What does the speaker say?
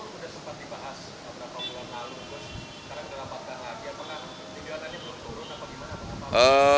bapak presiden sudah sempat dibahas beberapa bulan lalu terus sekarang tidak dapatkan lagi apa apa